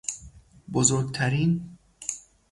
بزرگترین